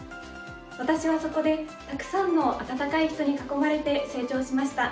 私はそこでたくさんの温かい人に囲まれて成長しました。